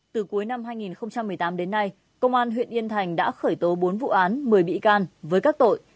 từ cuối năm hai nghìn một mươi tám đến nay công an huyện yên thành đã khởi tố bốn vụ án một mươi bị can với các tội